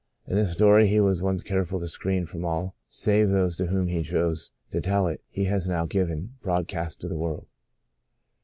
And the story he was once careful to screen from all save The Blossoming Desert 141 those to whom he chose to tell it he has now given, broadcast, to the world.